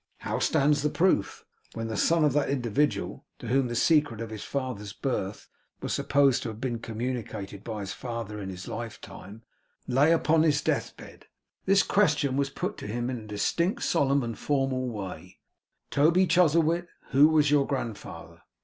How stands the proof? When the son of that individual, to whom the secret of his father's birth was supposed to have been communicated by his father in his lifetime, lay upon his deathbed, this question was put to him in a distinct, solemn, and formal way: 'Toby Chuzzlewit, who was your grandfather?